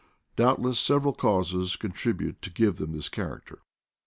Doubt less several causes contribute to give them this character.